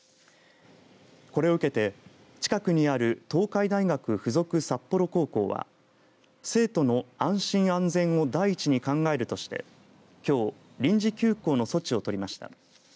これを受けて近くにある東海大学付属札幌高校は生徒の安心安全を第一に考えるとしてきょう臨時休校の措置を取りました。